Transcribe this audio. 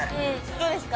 どうですか？